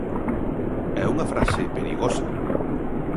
É unha frase perigosa.